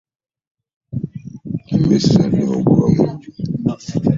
Emmese zaatulema okugoba mu nju.